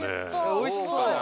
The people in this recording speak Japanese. おいしそう！